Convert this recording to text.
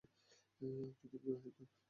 আফ্রিদি বিবাহিত।